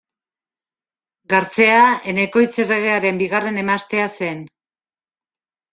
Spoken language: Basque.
Gartzea Enekoitz erregearen bigarren emaztea zen.